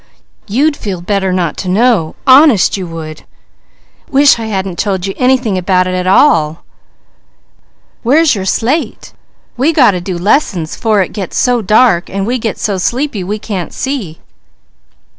You'd feel better not to know. Honest you would! Wish I hadn't told you anything about it at all. Where's your slate? We got to do lessons 'fore it gets so dark and we are so sleepy we can't see."